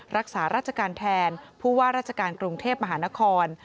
รักษาราชการแทนผู้ว่าราชการกรุงเทพมหานคร